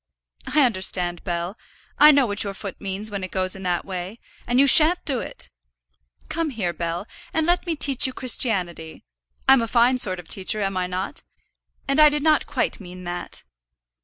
"I understand, Bell. I know what your foot means when it goes in that way; and you shan't do it. Come here, Bell, and let me teach you Christianity. I'm a fine sort of teacher, am I not? And I did not quite mean that."